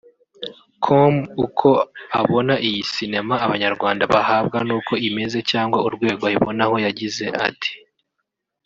com uko abona iyi Sinema abanyarwanda bahabwa n’uko imeze cyangwa urwego ayibonaho yagize ati